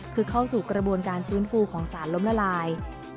คือเข้าสู่กระบวนการฟื้นฟูของสารล้มละลาย